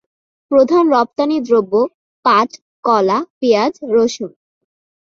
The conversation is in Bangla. প্রধান রপ্তানিদ্রব্য পাট, কলা, পিঁয়াজ, রসুন।